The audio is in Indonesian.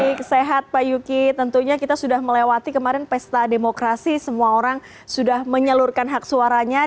baik sehat pak yuki tentunya kita sudah melewati kemarin pesta demokrasi semua orang sudah menyalurkan hak suaranya